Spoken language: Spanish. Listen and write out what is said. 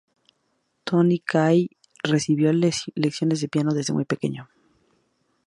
Tony Kaye recibió lecciones de piano desde muy pequeño.